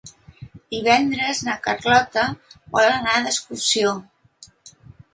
Divendres na Carlota vol anar d'excursió.